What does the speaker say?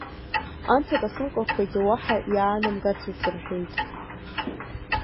Анҭ акасынкақәагьы уаҳа иаанамгаӡацт рҳәеит.